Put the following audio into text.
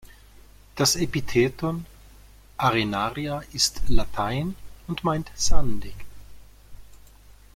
Das Epitheton "arenaria" ist Latein und meint „sandig“.